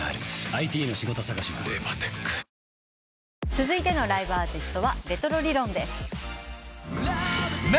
続いてのライブアーティストはレトロリロンです。